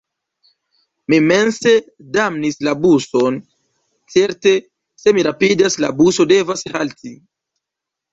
Mi mense damnis la buson: certe, se mi rapidas – la buso devas halti.